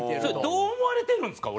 どう思われてるんですか？